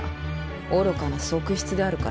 愚かな側室であるからか？